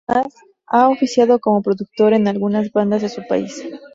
Además, ha oficiado como productor en algunas bandas de su país.